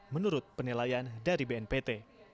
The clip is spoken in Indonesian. menurut penilaian dari bnpt